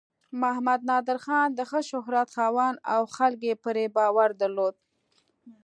محمد نادر خان د ښه شهرت خاوند و او خلک یې پرې باور درلود.